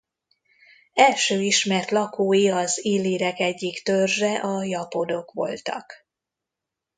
Első ismert lakói az illírek egyik törzse a japodok voltak.